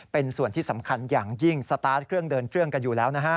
เป็นส่วนที่สำคัญอย่างยิ่งสตาร์ทเครื่องเดินเครื่องกันอยู่แล้วนะฮะ